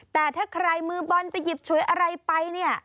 แต่ถ้าใครมือบอลไปหยิบฉวยอะไรไปเนี่ย